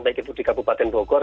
baik itu di kabupaten bogor